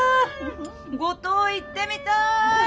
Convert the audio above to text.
五島行ってみたい！